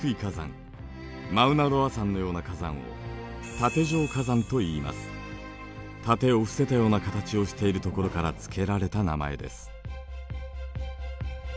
マウナロア山のような火山を盾を伏せたような形をしているところから付けられた名前です。